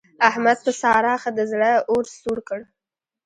احمد په سارا ښه د زړه اور سوړ کړ.